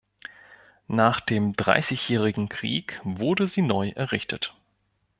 Nach dem Dreißigjährigen Krieg wurde sie neu errichtet.